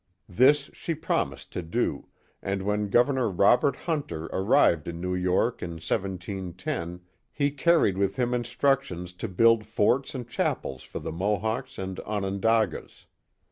This she promised to do, and when Governor Robert Hunter arrived in New York in 1 7 10 he carried with him instructions to build forts and chapels for the Mohawks and Onondagas.